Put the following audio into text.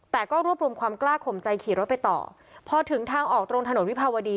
แต่ก็รวบรวมความกล้าข่มใจขี่รถไปต่อพอถึงทางออกตรงถนนวิภาวดี